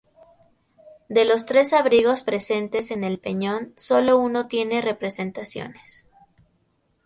De los tres abrigos presentes en el peñón solo uno tiene representaciones.